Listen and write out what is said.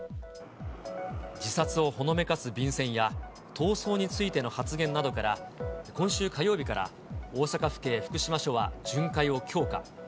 自殺をほのめかす便箋や、逃走についての発言などから、今週火曜日から、大阪府警福島署は巡回を強化。